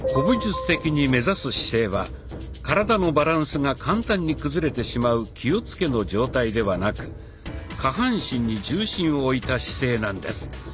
武術的に目指す姿勢は体のバランスが簡単に崩れてしまう「気をつけ」の状態ではなく下半身に重心を置いた姿勢なんです。